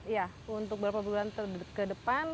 ya untuk beberapa bulan ke depan